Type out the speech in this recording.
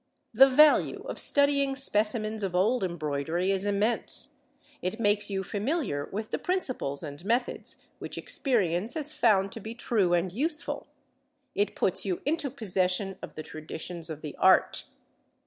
The value of studying specimens of old embroidery is immense; it makes you familiar with the principles and methods, which experience has found to be true and useful; it puts you into possession of the traditions of the art.